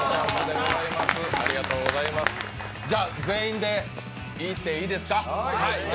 じゃ、全員でいっていいですか。